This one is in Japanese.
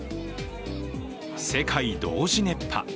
世界同時熱波。